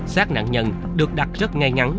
sát nạn nhân được đặt rất ngay ngắn